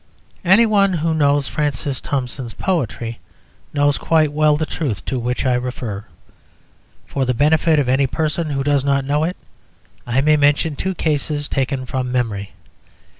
Any one who knows Francis Thompson's poetry knows quite well the truth to which I refer. For the benefit of any person who does not know it, I may mention two cases taken from memory.